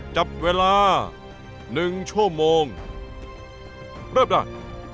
จับเวลาหนึ่งชั่วโมงเริ่มด้าน